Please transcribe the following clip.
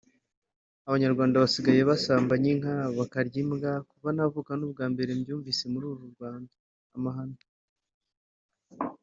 Abanyarwanda basigaye basambanya inka bakarya imbwa (kuva navuka ni umbwambere mbyumvise muri uru Rwanda = amahano)